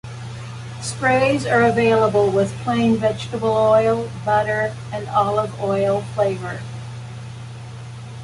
Sprays are available with plain vegetable oil, butter and olive oil flavor.